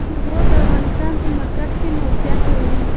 غور د افغانستان په مرکز کې موقعیت لري.